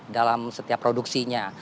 dalam setiap produksinya